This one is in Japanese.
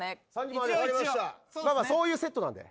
そういうセットで。